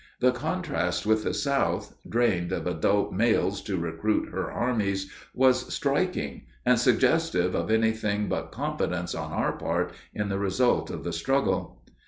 The contrast with the South, drained of adult males to recruit her armies, was striking, and suggestive of anything but confidence on our part in the result of the struggle.